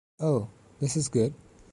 Oh! This is good.